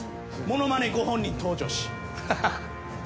ものまねご本人登場史。